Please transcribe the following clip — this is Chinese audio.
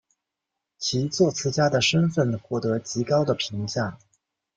其作词家的身份获得极高的评价。